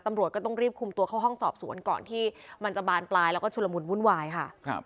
ตำรวจก็ต้องรีบคุมตัวเข้าห้องสอบสวนก่อนที่มันจะบานปลายแล้วก็ชุลมุนวุ่นวายค่ะครับ